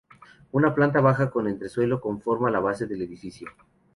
Una planta baja con entresuelo conforma la base del edificio.